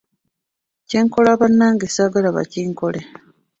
Kyenkola bannange saagala bakinkole.